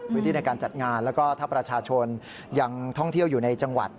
พื้นที่ในการจัดงานแล้วก็ถ้าประชาชนยังท่องเที่ยวอยู่ในจังหวัด